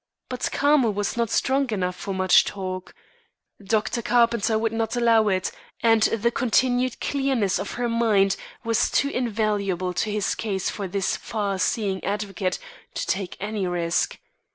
But Carmel was not strong enough for much talk. Dr. Carpenter would not allow it, and the continued clearness of her mind was too invaluable to his case for this far seeing advocate to take any risk.